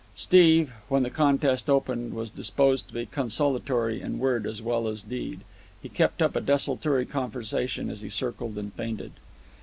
Steve, when the contest opened, was disposed to be consolatory in word as well as deed. He kept up a desultory conversation as he circled and feinted.